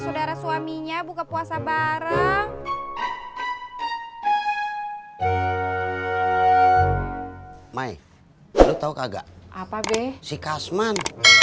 saudara suaminya buka puasa bareng mai lalu tahu kagak apa deh si kasman